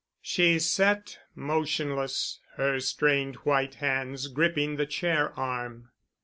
She sat motionless, her strained white hands gripping the chair arm.